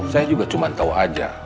saya juga cuma tahu aja